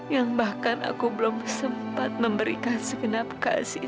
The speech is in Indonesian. yang bahkan aku belum sempat memberikan segenap kasih